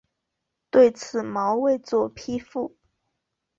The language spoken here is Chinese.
对此毛未作批复。